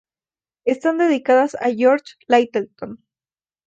Están dedicadas a George Lyttelton.